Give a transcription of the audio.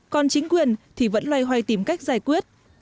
còn chính quyền thì vẫn loay hoay tìm cách giải quyết